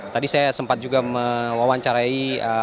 tadi saya sempat juga mewawancarai